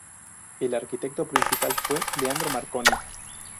El arquitecto principal fue Leandro Marconi.